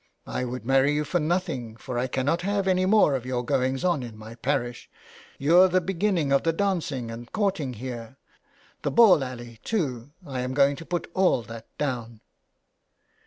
I would marry you for nothing, for I cannot have any more of your goings on in my parish. You're the beginning of the dancing and courting here ; the ball alley, too — I am going to put all that down.'